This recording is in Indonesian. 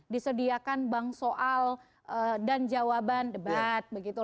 disediakan bang soal dan jawaban debat begitu